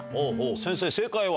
先生正解は？